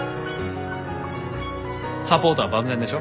サポートは万全でしょ？